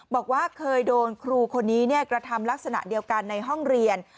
บอกว่าเคยโดนครูคนนี้กระทำลักษณะเดียวกันในห้องเรียน